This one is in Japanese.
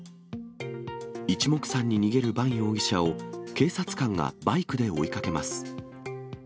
いちもくさんに逃げるバン容疑者を、警察官がバイクで追いかけます。